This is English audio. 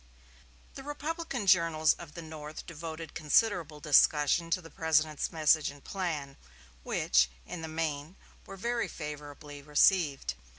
The Republican journals of the North devoted considerable discussion to the President's message and plan, which, in the main, were very favorably received.